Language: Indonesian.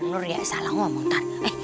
lho ya salah ngomong ntar